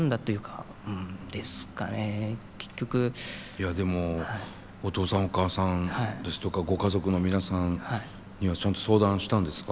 いやでもお父さんお母さんですとかご家族の皆さんにはちゃんと相談したんですか？